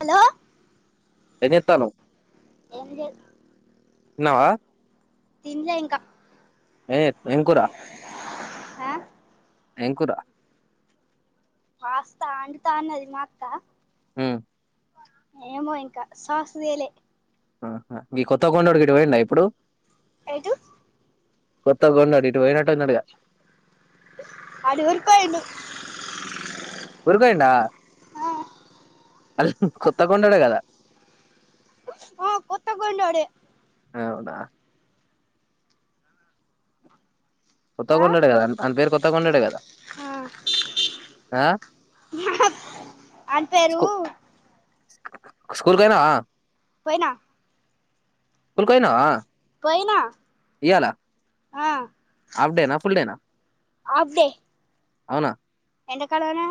Hello ఎంజెత్తాను ఎంత న్నవా తింలే ఇంకా ఏం కూర ఆ ఎంకురా కాస్తా అడుతా అన్నది మా అక్క ఉం ఏమో ఇంకా సాస్ దేలే ఆ ఈ కొత్త కొండడికి ఇ పోయండా ఇప్పుడు ఐదు కొత్త గొండడి అఊర్కొయిండు ఊరికి ఆ అ కొత్త కొండడు కదా ఆ కొత్త కొండ ఓడె అవునా కొత్త ఆ కొండొడే కదా అని పేరు కొత్త కొండొడే కదా ఆ ఆ ఆని పేరు స్కూల్కొయినవా పొయినా స్కూల్కొయినవా పొయిన ఆ హఫ్ డేనా ఫుల్ డేనా అవునా ఎంత కాలనా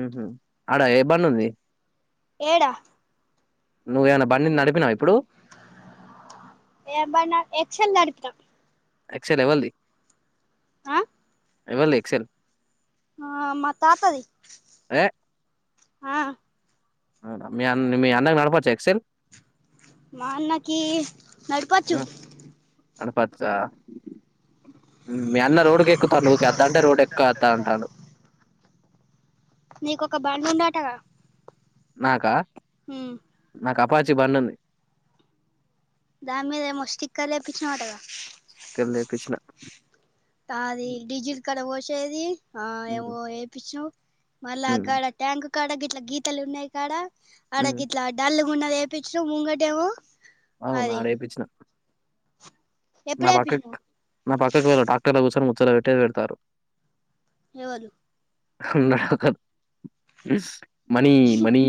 మ్హ్ అడ ఏ బండుంది ఏడ నువ్వేమైనా బండి నడిపినావు ఇప్పుడు ఏబ ఎచ్చంత అడు ఎక్సల్ ఎవల్ది హా ఏవ లేక్సన్ ఆ మా థాతది ఏ హా అవునా మీ అన్న మీ అన్నకు నడపచ్చు ఎక్సల్ మ నాకి నడిపచ్చు అడపచ్చ మీ అన్న రోడ్ క ఎక్కుతాను నువ్వుకెద్దా అంటే రోడ్డు ఎక్కువద్దా అంటాను నీకు ఒక బండి ఉన్నాటగా నాకా మ్ నాకు అపాచి బంన ఉంది దాని మీద ఏమో స్టిక్కెర్ లేపించివ నటగా టెన్ లేపఇచ్చిన అది డిజిడ కాడా పోచినా ఏది ఆ ఏవో హ్మ్. ఏ పిచ్చునవ మళ్ళ హ్మ్. ఆక్కడ ట్యాంగ్ ఇక్కడ గిట్ల గీతలు ఉన్నాయి కాడ హ్మ్. అడగిట్లా డల్ మొన్న ఏపించ నవ ముగటే ఏమో అవునా రేపచ్చిన నా ఎప్పుడు ఏపిచ్చినవ్ పక్కక నా పక్కకు వేరే డాక్టర్ ల కూర్చున తలా పెట్టే ది పెడతారు ఏవరు నాక థిస్ మనీ మనీ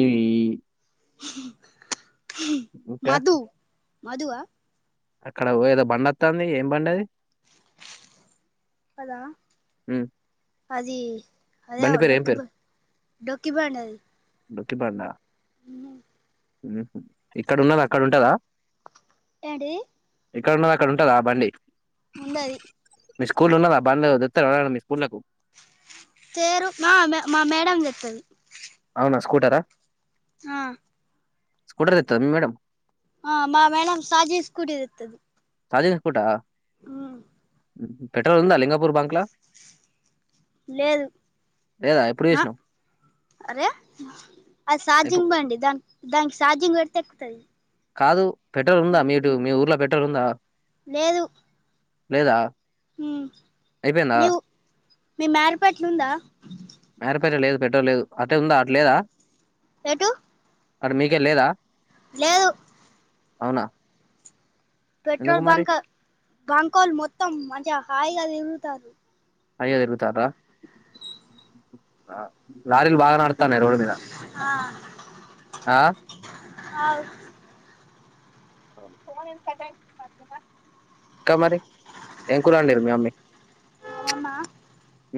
బుక్క మధు ఆ అక్కడ ఏదో బండి వాతాంది ఏం బండి అది అదా హ్మ్. అది అదే బండి పేరు ఏం పేరు? డొకిబడి డొకిబడి అది డోకి బండా ఇక్కడ ఉన్నద అక్కడ ఉంటదా ఏంటిది ఇక్కడ ఉన్నది అక్కడ ఉంటాదా బండి ఉండది మీ స్కూల్ ఉన్నదా బంద్ చెప్తారా ఎవరైనా మీ స్కూల చేరు మా మా మేడం చెప్ అవునా స్కూటరా ఆ స్కూటర్ తెత్తద మీ మేడం ఆ మా మేడం సాజీష్ స్కూటీ తేతాది సాజస్కూటా ఆ ఉమ్ పెట్రోల్ ఉందా లింగపూర్ బంక్ లా లేదు ఎప్పుడు ఆ చూసినవు? అరే అది ఎప్పు షార్జింగ్ బండి దా దానికి షార్జింగ్ పెడితే తాయ్ కాదు పెట్రోల్ ఉందా మీటు మీ ఊర్లో పెట్రోల్ ఉందా లేదు లేదా ఉమ్ అయిపోయిందా లేవు మే మేరపట్లు ఉందా మేరపేట లేదు పెట్రోల్ లేదు అట్ ఉందా అట్లేదా ఏటు అరి మీకే లేదా లేదు అవునా ఎందుకు పెట్రోల్ మరి బంక్ బంకోల్ మొత్తం మంచిగా హాయ్ గాల తిరుగుతరు అయ్యదురుగుతారా లారీలు బాగా నడుతానే రోడ్ మీద ఆ ఆవు ఫోన్ ఎ ఫ్రెండ్ పది దినాలు ఇంకా మరి ఎం కులాడిర్ మీ మమ్మీ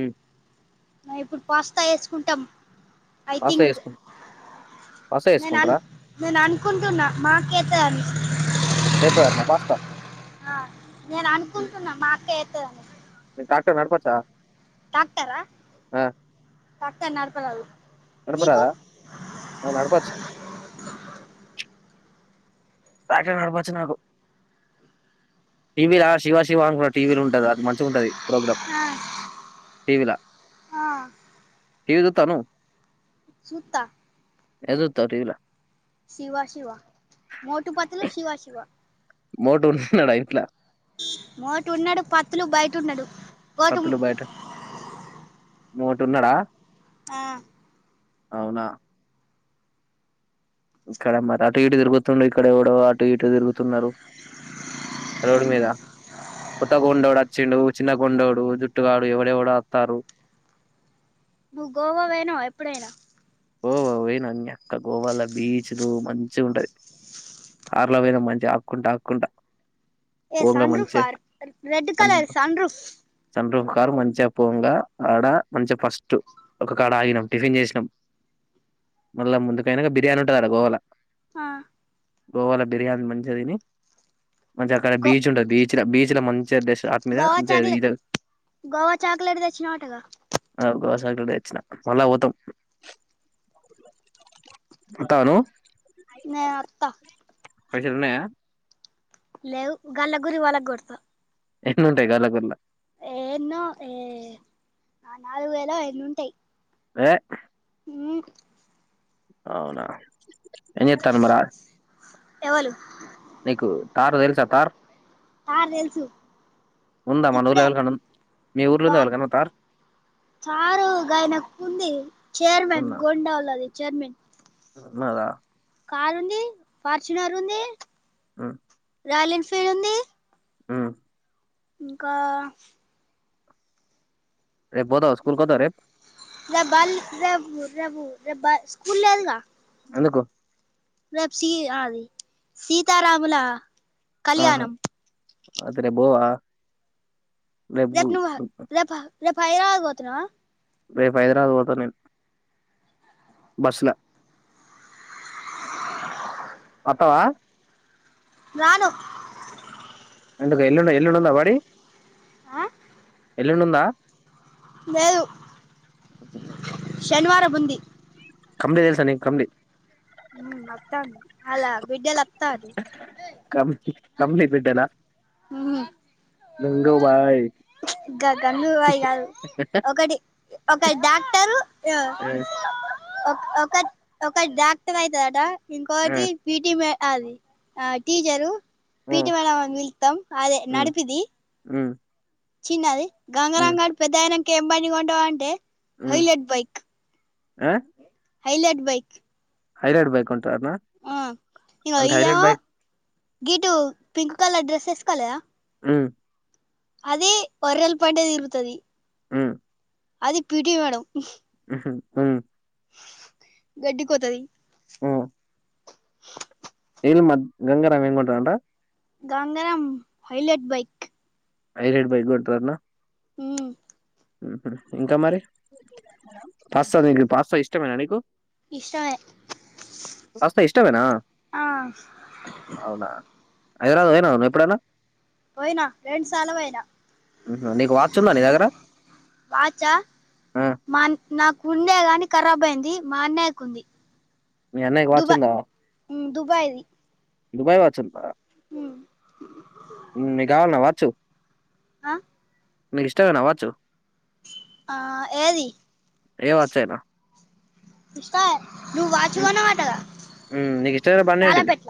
ఉమ్ మ ఇప్పుడు పాస్తా వేసుకుంటాం ఐ పాస్తా థింక్ చేసుకు పాస్తా నేను అ చేసుకుంటారా నేను అనుకుంటున్నా మాకేత అని చేత్తదటనా పాస్తా ఆ నేను అనుకుంటున్నా మా అక్క తధంటా మి క్టర్ నడపచ్చా ట్రాక్టర్ ఆ ఆ ట్రాక్టర్ నడపరాదు నీకు నడపాచ్చ ట్రాక్టర్ నడపచ్చు నాకు టీవీలా శివ శివ అనికి టీవీలు ఉంటది అది మంచిగా ఉంటుంది ప్రోగ్రామ్ టీవీలా టీవీ చూతాను సుతా ఎదు సుతావ టెవిలా శివా శివా మ టు పతలో శివ శివ మోటు ఉన్నాడా ఇంట్లో మోటు ఉన్నడు పత్తులు బయట ఉన్నడు పతులు బయట మోటు ఉన్నడా ఆ అవునా ఇక్కడ మర అటు ఇటు తిరుగుతుండు ఇక్కడ ఎవడో అటు ఇటు తిరుగుతున్నారు రోడ్ మీద కొత్త కొండోడు వచ్చిండు చిన్న కొండోడు జుట్టుగాడు ఎవడెవడో వత్తరు నువ్వు గోవా వెయ్యి నావా ఎప్పుడైనా గోవా పోయినా నీ అక్క గోవాలో బీచ్లు మంచి గుంటది కార్లో పోయినాం మంచిగా ఆక్కుంటా ఆక్కుంటా ఏ పోంగా మంచిగా సాండ్రూఫర్ రెడ్ కలర్ సాండ్రూఫ్ ఒ కారు మంచిగా పోంగా ఆడ మంచిగా ఫస్ట్ ఒక కాడ ఆగినం టిఫిన్ చేసినాం మళ్ళా ముందుకైనా బిర్యానీ ఉంటద అడ గోవాలో ఆ గోవాలో బిర్యానీ మంచిగా తిని మంచిగా అక్కడ గో బీచ్ ఉంటది బీచ్ ల బీచ్ లో మం గోవా చాక్లె గోవా చాక్లెట్ తెచ్చినా వటగా చాక్లెట్ దెచ్చిన మల్ల పోతాం తాను నే నొత్త పైసలు ఉన్నాయా లేవు గల్ళ గురి వాళ్ళకు గొడతా ఎన్నుంటాయ్ కాలగుర్లా ఏన్నో ఏ నా నాలుగు వేల ఎన్నుంటాయ్ ఏ ఉ అవునా ఏం జేత్తారు మరా ఎవలు నీకు తార్ తెలుసా తార్ తార్ తెలుసు ఉందా మన ఊర్లో ఇప్పుడే ఎవలికన్నా మీ ఊర్లో బా ఉందా ఎవలికన్నా తార్ చారుగాయన కుంది చేర్మన్ ఉందా గోండళది చేర్మన్ ఉన్నదా కారు ఉంది ఫార్చునర్ ఉంది ఉ రాయల్ ఎన్ఫీర్ ఉంది ఆ ఇంకా రేపు బోతావా స్కూల్ కి పోతావ రేప్ రేప్ బల్ రేభు రేబబ స్కూల్ లేదుగా ఎందుకు రేపు సి అది సీతారాముల ఆహా కళ్యాణం అయితే రేపు బోవా [unintelligible] రేపు హైదరాబాద్ పోతున్నావా రేపు హైదరాబాద్ పోతా నేను బస్సుల. వస్తావా రాను ఎందుకా ఎలుం ఎల్లుండందా బడి ఆ ఎల్లుండుందా లేేదు శనివారం ముం ఉంది కంలీ తెల్సా న కంలీ [unintelligible] ఉ వతావం అలా బిడ్డలవత్త కం కంప్లీట్ బిడ్డలా లంగ బాయ్ గంగూబాయి గారు ఒకటి ఒకటి డాక్టరు ఆ ఒక ఒక ఒక డాక్టర్ అయితది అంట ఆ ఇంకోటి బిట్మే అదది ఆ టీచరు ఆ పీటీ మేడమ్ [inaudible] అదే నడిపిది ఆ చిన్నది గంగరంగాడి పెద్ద ఆయన ఇంక ఏం పని ఉంటావా అంటే ఉమ్ హైలట్ బైక్ ఆ హైలైట్ బైక్ హైలెట్ బైక్ కొంటవ ఆ అ హైలాట్ బైక్ గీటు పింక్ కలర్ డ్రెస్ వేసుకోలదా ఆ అదే వరలపాటది ఇరుతది ఆ అది పిటీ మేడం హ్మ్ హ్మ్ గడ్డి కొతుది ఆ నల్ మద్ గంగారమ్ ఎంట అంట Gangaram highlight bike highlight bike కొంటారు అంటానా హమ్ ఇంకా మరి పాస్తా నీకు పాస్తా ఇష్టమేనా నీకు ఇష్ట పాస్తా ఇష్టమేనా ఆ అవునా హైదరాబాద్ పోయినావు నువు ఎప్పుడైనా పోయినా రెండు సాల పోయినా నీకు వచ్చందా నీ దగ్గర వాచా ఆ మా నాకు ఉండే గాని ఖరాబ్ అయింది మా అన్నయ్యకు ఉంది మీ అన్నయికి దుబాయ్ వచ్చందా దుబాయ్ది దుబయ వచ్చం మీ కావాలన్నా వాచ్చు ఆ మీకు ఇష్టమ అవచ్చు ఆ ఏది ఏ వాచ్ అయినా ఇకాా నువ్వు హ్మ్ వాచువన్నమాటద హ్మ్ నీకు తాలా పెెట్ల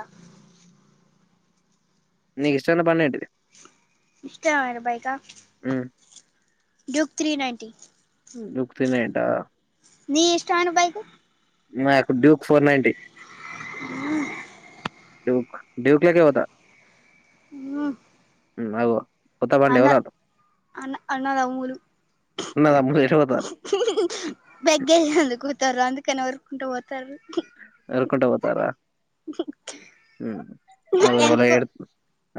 నకు ఇష్టంత పడింటిది ఇష్టారు బాైకా హ్మ్ ్యూక్ త్రీ నైన్టీ యుక్తినే ఏంటా నీ ఇష్ట అను బైకు నాకు డ్యూక్ ఫోర్ నైన్ంటీ ఈ ఢివక లాక వత ఆ అవు్వ అన్న అన్న అన్నదా మూలు ఉన్నదా ముందు ఎటు పోతారు బగ్గందుకు వారు అందుకనినావరుకుంట తరు పోతారా ఉమ్. అగో ఎవలో ఎన్కు ఎడు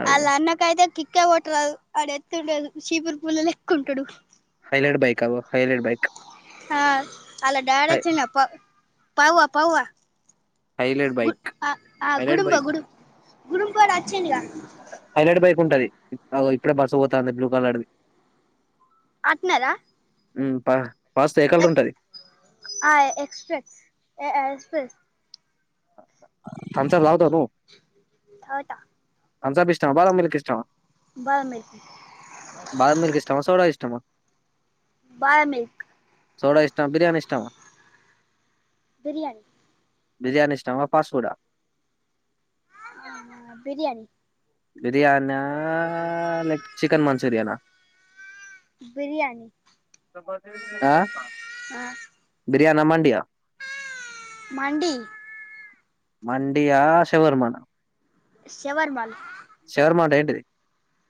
అగో అలా అన్న కయితే ఎక్క కొట్టరాదు ఆడు ఎత్తుండదు చీపుర్ పూలలు ఎక్కుంటాడు హైలైట్ బైక్ అవ హైలైడ్ బైక్ ఆ అలా డాడచినప్ప పావువా పావా హైలైట్ గు బైక్ ఆ ఆ హైలైట్ గుడుబ బైక్ గుడు గుడుబ రాచ్చనిగా ంటది ఇప్పుడే బరుస పోతాంది బ్లూ కలర్ది అట్నార ప ఆ ఎప్రెస్ ఎ్రెస్ థంబ్స్ అప్ తాగుతావా నువ్వు తాగుత్తా రంసాప్ ఇష్టం బాదం మలిక్ ఇష్టం బాదం మిల్క్ బాదాం మిల్క్ ఇష్టష్టమా సోడ అమా బాదాం మిల్క్ సోడా ఇష్టం బర్యాణి ఇష్టమా బిర్యానీ బిర్యానీ చమపాసువడా బిర్యానీ బిర్యానా లేక చికెన్ మంచూరియనా బిర్యానీ అ ఆ బిర్యానా మండి యా మండి మండియా శవర్మన షవరమా శవర్మ అంటే ఏంటిది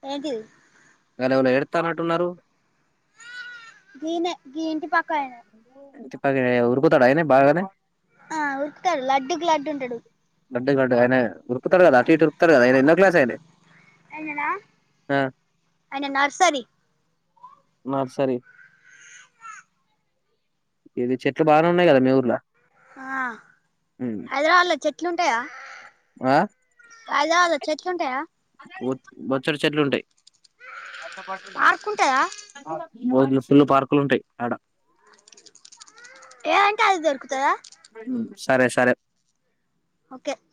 ఏంటిది ఎవళో ఎడతానటున్నారు గీనే గీ ఇంటి పక్క అయిన అరే ఉరుకుతాడా అయినే బాగానే ఆ ఉరుకుతడు లడ్డుకు లడ్డు ఉంటాడు లడ్డు కు లడ్డు అయిన ఉరు కుతడు అటు ఇటు ఉరుకుతడు కదా అయిన ఎన్నో క్లాస్ అయిన ఆయననా అ ఆయన నర్సరీ నర్సరి ఇది చెట్లు బానే ఉన్నాయి కదా మీ ఊర్లో ఆ హైదరాబాద్ లో చెట్లుం టయా అ హైదరాబాద్ లో చెట్లు ఉంటాయా బొ బొచ్చడు చెట్లు ఉంటాయి పార్క్ ఉంటదా ఆ భోల్డు ఫుల్లు పార్కులు ఉంటాయి ఆడ ఏదంటే అది దొరుకుతాదా సరే సరే ఓకే